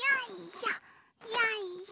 よいしょ。